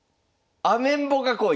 アメンボ！